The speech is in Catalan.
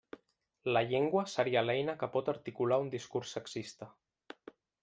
La llengua seria l'eina que pot articular un discurs sexista.